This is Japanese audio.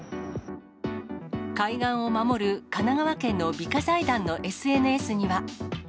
海岸を守る神奈川県の美化財団のＳＮＳには。